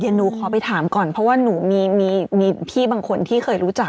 เดี๋ยวหนูขอไปถามก่อนเพราะว่าหนูมีพี่บางคนที่เคยรู้จัก